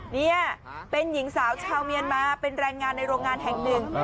นี่เป็นหญิงสาวชาวเมียนมาเป็นแรงงานในโรงงานแห่งหนึ่ง